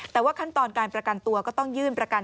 แต่ว่าขั้นตอนการประกันตัวก็ต้องยื่นประกัน